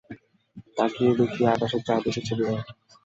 তাকিয়ে দেখি আকাশে চাঁদ উঠেছে বিরাট।